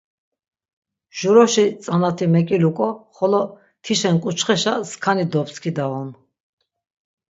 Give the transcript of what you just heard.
Juroşi tzanati mek̆iluk̆o xolo tişen ǩuçxeşa skani dopskidaun.